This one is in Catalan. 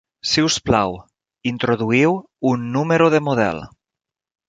Si us plau, introduïu un número de model.